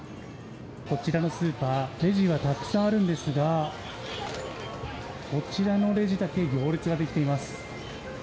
こちらのスーパー、レジがたくさんあるんですが、こちらのレジだけ行列が出来ています。